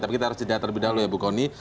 tapi kita harus jeda terlebih dahulu ya bu kony